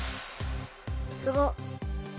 すごっ。